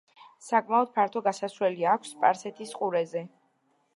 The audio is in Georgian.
საკმაოდ ფართო გასასვლელი აქვს სპარსეთის ყურეზე.